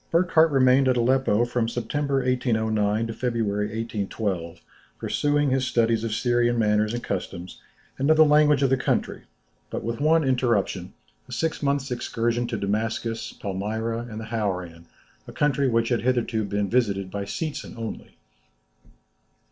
] Burckhardt remained at Aleppo from September, 1809, to February, 1812, pursuing his studies of Syrian manners and customs, and of the language of the country, with but one interruption, a six months' excursion to Damascus, Palmyra, and the Hauran, a country which had hitherto been visited by Seetzen only.